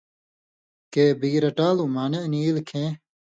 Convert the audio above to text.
کہ بِگ رٹان٘لو (مانِع) نی ایل کھیں